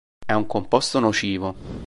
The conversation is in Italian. È un composto nocivo.